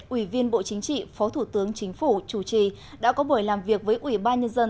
ủy viên bộ chính trị phó thủ tướng chính phủ chủ trì đã có buổi làm việc với ủy ban nhân dân